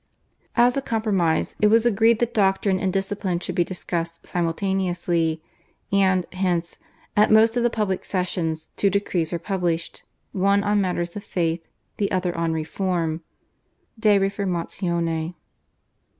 As a compromise it was agreed that doctrine and discipline should be discussed simultaneously, and, hence, at most of the public sessions two decrees were published, one on matters of faith, the other on reform (/De Reformatione